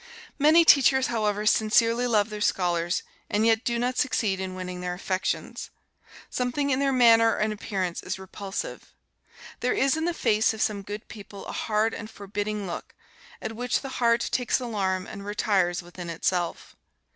Many teachers, however, sincerely love their scholars, and yet do not succeed in winning their affections. Something in their manner and appearance is repulsive. There is in the face of some good people a hard and forbidding look, at which the heart takes alarm and retires within itself.